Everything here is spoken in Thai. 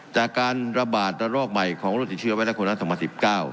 จากการระบาดระลอกใหม่ของโรคติดเชื้อวิทยาคุณาศักดิ์๑๙